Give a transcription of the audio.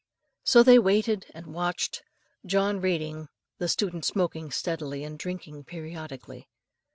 So they waited and watched, John reading, the student smoking steadily and drinking periodically.